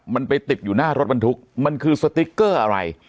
มันไปติดอยู่หน้ารถบรรทุกมันคือสติ๊กเกอร์อะไร